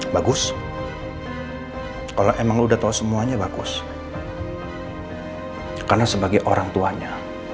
bagus kalau emang udah tahu semuanya bagus karena sebagai orang tuanya